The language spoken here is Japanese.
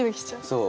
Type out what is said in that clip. そう。